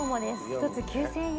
１つ９０００円。